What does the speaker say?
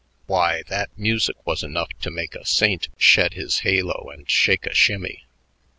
Why, that music was enough to make a saint shed his halo and shake a shimmy.